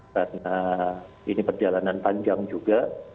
karena ini perjalanan panjang juga